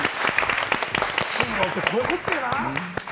ヒーローってこういうことだよな。